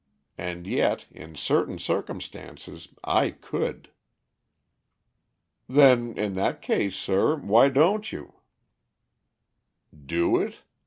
And yet, in certain circumstances, I could." "Then, in that case, sir, why don't you?" "Do it?